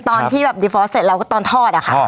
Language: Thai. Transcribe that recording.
ตอนที่แบบดีฟอสเสร็จแล้วตอนทอดอะค่ะ